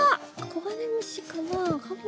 コガネムシかな？